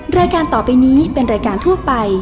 รายการต่อไปนี้เป็นรายการทั่วไป